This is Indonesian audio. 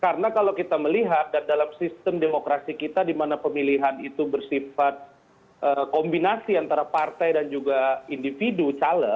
karena kalau kita melihat dan dalam sistem demokrasi kita dimana pemilihan itu bersifat kombinasi antara partai dan juga individu caleg